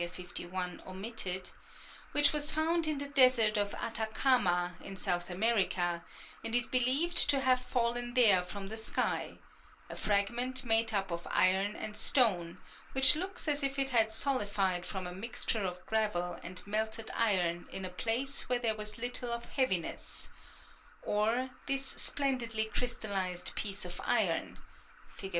51 omitted), which was found in the Desert of Atacama, in South America, and is believed to have fallen there from the sky ŌĆö a fragment made up of iron and stone, which looks as if it had solidified from a mixture of gravel and melted iron in a place where there was very little of heaviness; or this splendidly crystallised piece of iron (Fig.